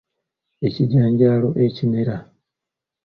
Ekijanjaalo ekimera.